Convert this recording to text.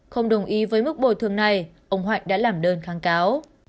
không đồng ý với mức bồi thường này ông hoạch đã làm đơn kháng cáo